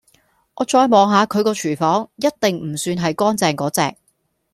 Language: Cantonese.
我再望下佢個"廚房"一定唔算係乾淨果隻